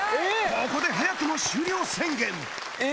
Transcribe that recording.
ここで早くも終了宣言！